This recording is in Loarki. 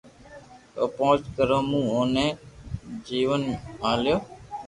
او پونچ گھرو مون اوني جيتو ميلتو